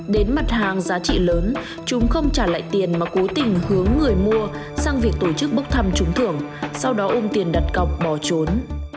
đến mặt hàng giá trị lớn chúng không trả lại tiền mà cố tình hướng người mua sang việc tổ chức bốc thăm trúng thưởng sau đó ôm tiền đặt cọc bỏ trốn